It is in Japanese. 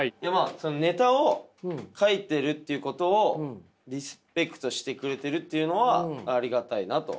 ネタを書いてるということをリスペクトしてくれてるっていうのはありがたいなと。